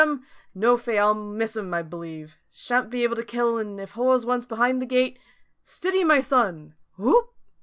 No, fay! I'll miss 'en, I b'lieve. Shan't be able to kill 'n if hor's wunce beyond th' gaate stiddy, my son! Wo op!"